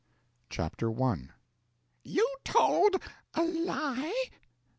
CHAPTER I "You told a lie?"